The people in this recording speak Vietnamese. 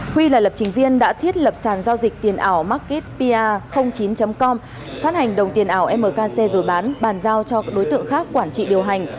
huy là lập trình viên đã thiết lập sản giao dịch tiền ảo marketpa chín com phát hành đồng tiền ảo mkc rồi bán bàn giao cho đối tượng khác quản trị điều hành